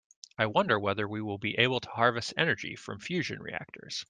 I wonder whether we will be able to harvest energy from fusion reactors.